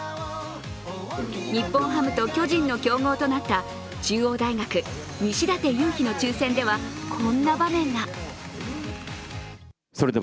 日本ハムと巨人の競合となった中央大学、西舘勇陽の抽選では、こんな場面が。